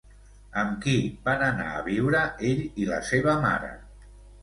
Amb qui van anar a viure ell i la seva mare?